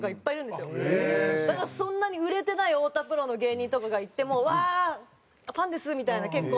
だからそんなに売れてない太田プロの芸人とかが行っても「うわー！ファンです」みたいな結構。